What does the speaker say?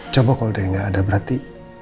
coba kalau dia nggak ada berarti